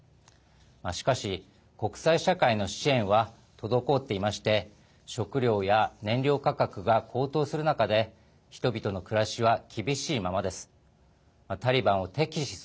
しかし、国際社会の支援は滞っていまして食料や燃料価格が高騰する中で人々の暮らしは厳しいままです。